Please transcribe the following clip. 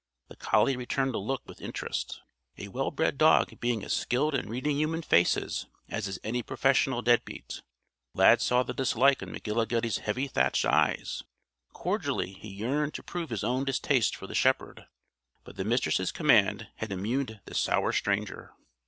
The collie returned the look with interest; a well bred dog being as skilled in reading human faces as is any professional dead beat. Lad saw the dislike in McGillicuddy's heavy thatched eyes; cordially he yearned to prove his own distaste for the shepherd, but the Mistress' command had immuned this sour stranger.